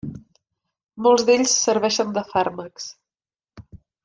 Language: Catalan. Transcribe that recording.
Molts d'ells serveixen de fàrmacs.